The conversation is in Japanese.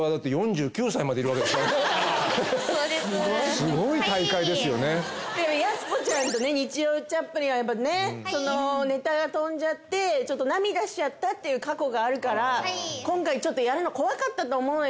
やす子ちゃんとね「にちようチャップリン」はやっぱねそのネタが飛んじゃってちょっと涙しちゃったっていう過去があるから今回ちょっとやるの怖かったと思うのよ